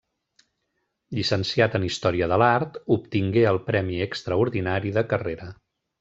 Llicenciat en Història de l'Art, obtingué el premi extraordinari de carrera.